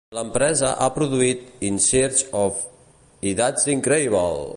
L'empresa ha produït "In Search of..." i "That's Incredible!"